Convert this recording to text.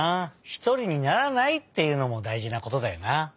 ひとりにならないっていうのもだいじなことだよな。